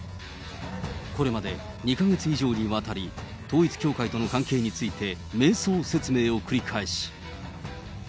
これまで２か月以上にわたり、統一教会との関係について迷走説明を繰り返し。